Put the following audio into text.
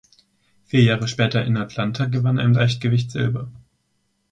Vier Jahre später in Atlanta gewann er im Leichtgewicht Silber.